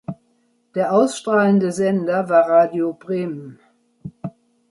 Der ausstrahlende Sender war Radio Bremen.